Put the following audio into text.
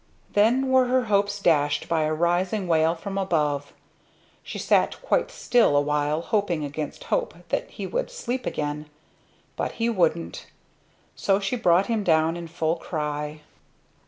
Then were her hopes dashed by a rising wail from above. She sat quite still awhile, hoping against hope that he would sleep again; but he wouldn't. So she brought him down in full cry.